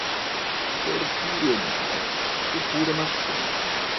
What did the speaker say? Porfirio Diaz fu pure massone.